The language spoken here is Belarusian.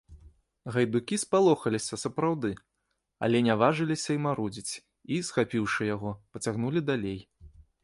Гайдукі спалохаліся сапраўды, але не важыліся і марудзіць і, схапіўшы яго, пацягнулі далей.